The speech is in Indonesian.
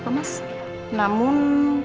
kaelah bola gua